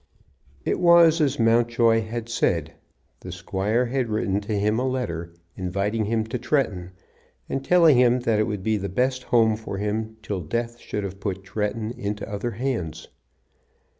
It was as Mountjoy had said. The squire had written to him a letter inviting him to Tretton, and telling him that it would be the best home for him till death should have put Tretton into other hands.